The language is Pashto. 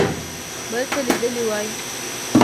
بل څه لیدلي وای.